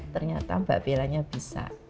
ternyata mbak bella nya bisa